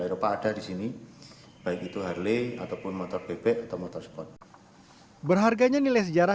eropa ada di sini baik itu harley ataupun motor bebek atau motorsport berharganya nilai sejarah